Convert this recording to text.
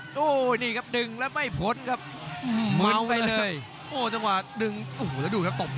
โอ้โหนี่ครับดึงแล้วไม่พ้นครับ